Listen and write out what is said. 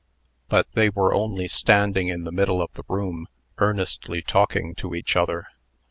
But they were only standing in the middle of the room, earnestly talking to each other.